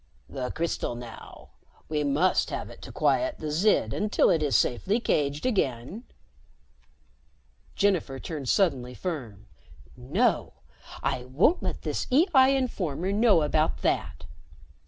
"The crystal now. We must have it to quiet the Zid until it is safely caged again." Jennifer turned suddenly firm. "No. I won't let this EI informer know about that."